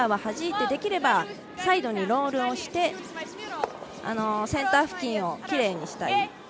できればサイドにロールをしてセンター付近を、きれいにしたい。